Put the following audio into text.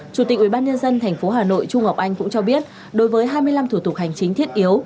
chủ tịch ubnd tp hà nội trung ngọc anh cũng cho biết đối với hai mươi năm thủ tục hành chính thiết yếu